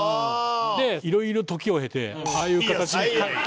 で色々時を経てああいう形に。